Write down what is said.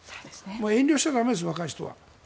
遠慮しちゃ駄目です、若い人は。